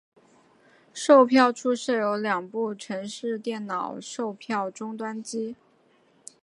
售票处设有两部城市电脑售票终端机。